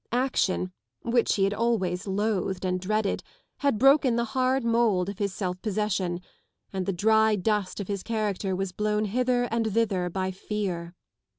Action, which he had always loathed and dreaded, had broken the hard mould of his self possession, and the dry dust of his character was blown hither and thither by fear.